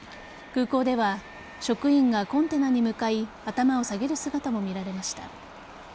空港では職員がコンテナに向かい頭を下げる姿も見られました。